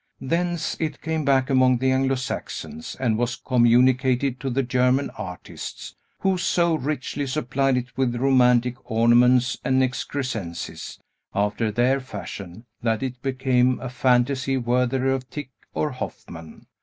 Thence, it came back among the Anglo Saxons, and was communicated to the German artists, who so richly supplied it with romantic ornaments and excrescences, after their fashion, that it became a fantasy worthy of Tieck or Hoffmann.